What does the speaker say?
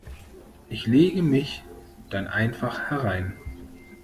Ich lege mich dann einfach herein.